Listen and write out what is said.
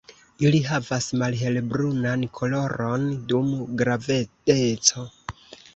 Ili havas malhelbrunan koloron dum gravedeco.